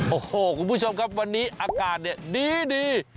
โอ้โหคุณผู้ชมครับวันนี้อากาศเนี่ยดี